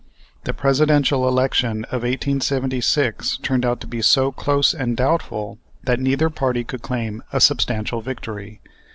The Presidential election of 1876 turned out to be so close and doubtful that neither party could claim a substantial victory.